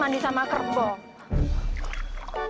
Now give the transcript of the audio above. mandi sama kerbau